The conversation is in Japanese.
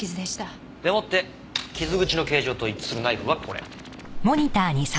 でもって傷口の形状と一致するナイフはこれ。